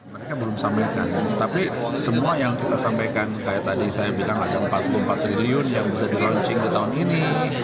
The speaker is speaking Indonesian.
mereka belum sampaikan tapi semua yang kita sampaikan kayak tadi saya bilang ada empat puluh empat triliun yang bisa di launching di tahun ini